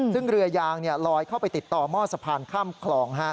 ซึ่งเรือยางลอยเข้าไปติดต่อหม้อสะพานข้ามคลอง